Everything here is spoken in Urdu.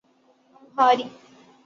امہاری